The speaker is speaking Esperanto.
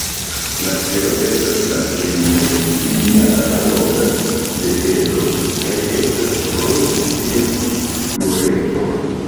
Ĉelo estas la tri-dimensia analoga de edro, kaj estas pro ĉi tio pluredro.